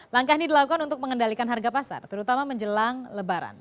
langkah ini dilakukan untuk mengendalikan harga pasar terutama menjelang lebaran